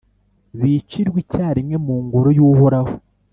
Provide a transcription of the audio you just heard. bicirwe icyarimwe mu Ngoro y’Uhoraho?